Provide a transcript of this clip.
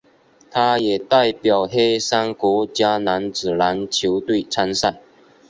他也代表黑山国家男子篮球队参赛。